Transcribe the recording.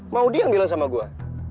mau dia yang bilang sama gue